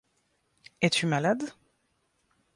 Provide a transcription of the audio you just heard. Es-tu malade ?